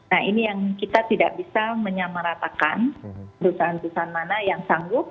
nah ini yang kita tidak bisa menyamaratakan perusahaan perusahaan mana yang sanggup